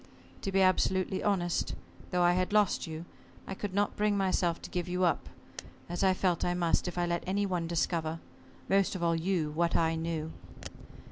To be absolutely honest though I had lost you, I could not bring myself to give you up, as I felt I must, if I let any one discover most of all you what I knew.